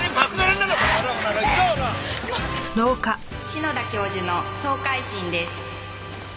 「篠田教授の総回診です」